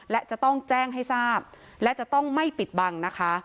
และจะต้องแจ้งให้ทราบและจะต้องไม่ปิดบังนะคะ